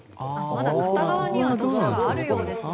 まだ片側には道路があるようですね。